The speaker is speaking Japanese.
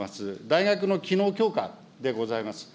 大学の機能強化でございます。